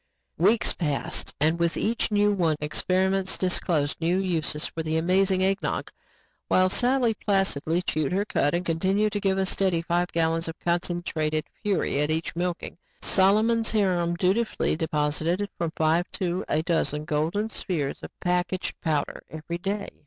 Weeks passed and with each one new experiments disclosed new uses for the amazing Eggnog. While Sally placidly chewed her cuds and continued to give a steady five gallons of concentrated fury at each milking, Solomon's harem dutifully deposited from five to a dozen golden spheres of packaged power every day.